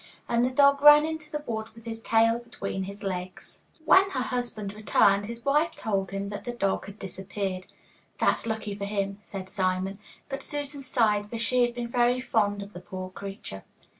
And the dog ran into the wood with his tail between his legs. When her husband returned, his wife told him that the dog had disappeared. 'That's lucky for him,' said Simon, but Susan sighed, for she had been very fond of the poor creature.